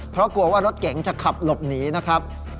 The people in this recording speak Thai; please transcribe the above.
เพราะกลัวว่ารถเก๋งจะขับหลบหนีนะครับ